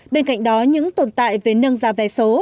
bên cạnh đó những tồn tại về nâng giá vé số